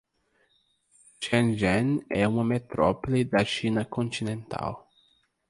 Shenzhen é uma metrópole da China continental